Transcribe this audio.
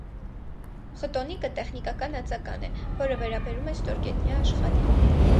Խտոնիկը՝ տեխնիկական ածական է, որը վերաբերում է ստորգետնյա աշխարհին։